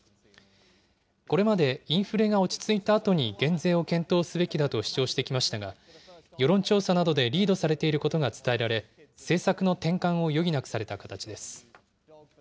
これまでインフレが落ち着いたあとに減税を検討すべきだと主張してきましたが、世論調査などでリードされていることが伝えられ、政策の転換を余儀なくされた形です。